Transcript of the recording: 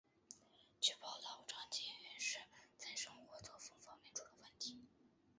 据报道张继禹是在生活作风方面出了问题。